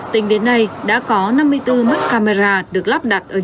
tính đến nay đã có năm mươi bốn mắt camera được lắp đặt ở